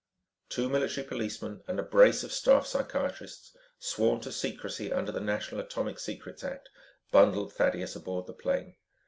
Two military policemen and a brace of staff psychiatrists sworn to secrecy under the National Atomic Secrets Act, bundled Thaddeus aboard the plane.